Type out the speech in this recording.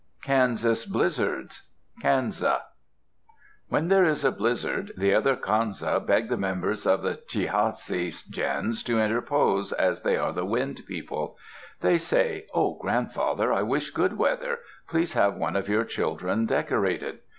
KANSAS BLIZZARDS Kansa When there is a blizzard, the other Kansa beg the members of the Tcihaci gens to interpose, as they are the Wind People. They say, "Oh, grandfather, I wish good weather. Please have one of your children decorated."